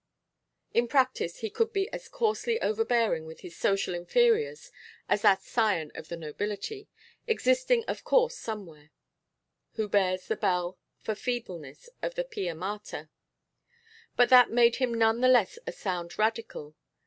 In practice he could be as coarsely overbearing with his social inferiors as that scion of the nobility existing of course somewhere who bears the bell for feebleness of the pia mater; but that made him none the less a sound Radical.